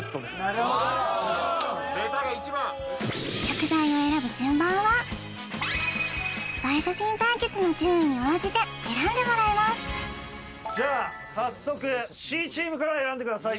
なるほどベタが一番映え写真対決の順位に応じて選んでもらいますじゃあ早速Ｃチームから選んでください